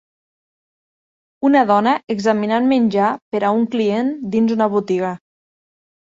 Una dona examinant menjar per a un client dins una botiga